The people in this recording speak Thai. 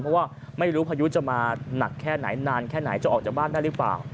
เพราะว่าไม่รู้พายุจะมาหนักแค่ไหนนานแค่ไหนจะออกจากบ้านได้หรือเปล่า